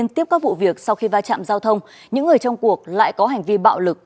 tiếp các vụ việc sau khi va chạm giao thông những người trong cuộc lại có hành vi bạo lực